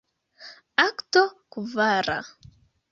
Akto kvara.